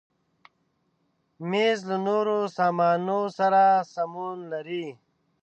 مېز له نورو سامانونو سره سمون لري.